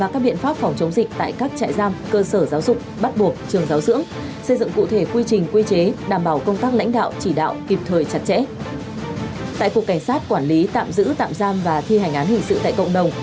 cảnh sát quản lý tạm giữ tạm giam và thi hành án hình sự tại cộng đồng